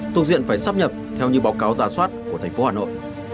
tục diện phải xác nhập theo như báo cáo giả soát của thành phố hà nội